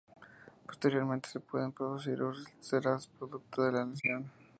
Posteriormente se pueden producir úlceras producto de la lesión.